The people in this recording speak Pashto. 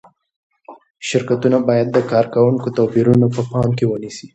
شرکتونه باید د کارکوونکو توپیرونه په پام کې ونیسي.